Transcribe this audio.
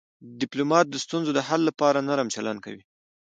ډيپلومات د ستونزو د حل لپاره نرم چلند کوي.